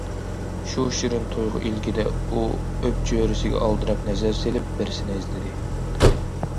شۇ شېرىن تۇيغۇ ئىلكىدە ئۇ ئۆپچۆرىسىگە ئالدىراپ نەزەر سېلىپ بىرسىنى ئىزدىدى.